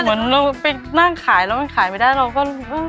เหมือนเราไปนั่งขายแล้วมันขายไม่ได้เราก็